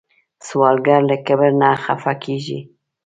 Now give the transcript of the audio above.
سوالګر له کبر نه خفه کېږي